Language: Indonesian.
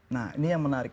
nah ini yang menarik